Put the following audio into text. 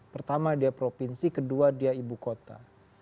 pertama dia provinsi kedua dia ibu kota